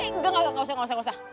enggak enggak enggak